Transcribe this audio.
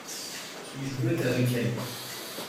il jouait avec elle.